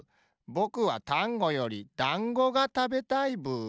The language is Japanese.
ぼくはタンゴよりだんごがたべたいブー。